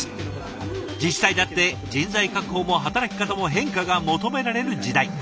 自治体だって人材確保も働き方も変化が求められる時代。